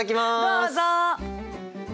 どうぞ！